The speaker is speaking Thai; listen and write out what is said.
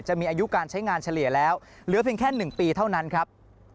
อายุการใช้งานเฉลี่ยแล้วเหลือเพียงแค่๑ปีเท่านั้นครับ